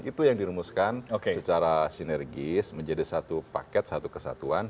itu yang dirumuskan secara sinergis menjadi satu paket satu kesatuan